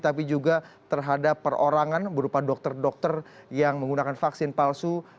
tapi juga terhadap perorangan berupa dokter dokter yang menggunakan vaksin palsu